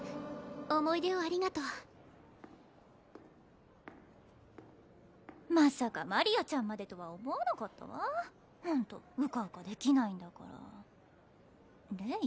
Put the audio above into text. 思い出をありがとうまさかマリアちゃんまでとは思わなかったわホントうかうかできないんだからレイ？